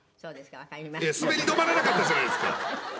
滑り止まらなかったじゃないですか。